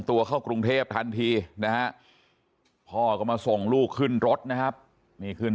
ตัวเข้ากรุงเทพทันทีนะฮะพ่อก็มาส่งลูกขึ้นรถนะครับนี่ขึ้น